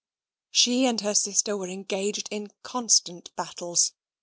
She and her sister were engaged in constant battles.